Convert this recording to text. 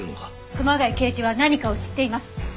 熊谷刑事は何かを知っています。